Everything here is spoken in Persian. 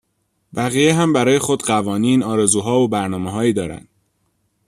بقیه هم برای خود قوانین، آرزوها و برنامه هایی دارند.